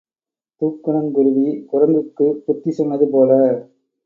தூக்குனங்குருவி குரங்குக்குப் புத்தி சொன்னது போல